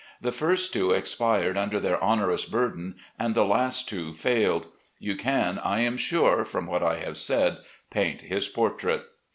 The first two expired tmder their onerous burden, and the last two failed. You can, I am sure, from what I have said, paint his portrait."